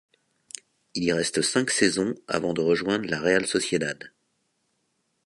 Il y reste cinq saisons avant de rejoindre la Real Sociedad.